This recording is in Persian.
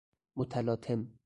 متلاطم